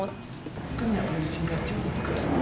itu gak perlu singkat juga